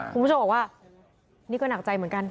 คุณผู้ชมบอกว่านี่ก็หนักใจเหมือนกัน